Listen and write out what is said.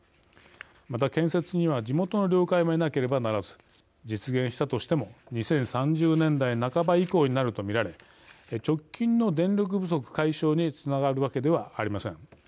また、建設には地元の了解も得なければならず実現したとしても２０３０年代半ば以降になると見られ直近の電力不足解消につながるわけではありません。